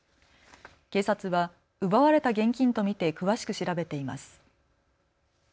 警察は奪われた現金と見て詳しく調べています。